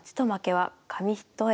はい。